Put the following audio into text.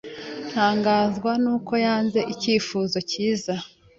Ntangazwa nuko yanze icyifuzo cyiza.